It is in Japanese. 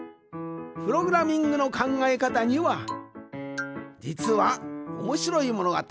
プログラミングのかんがえかたにはじつはおもしろいものがたくさんある。